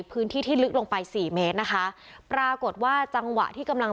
พื้นที่ที่ลึกลงไปสี่เมตรนะคะปรากฏว่าจังหวะที่กำลัง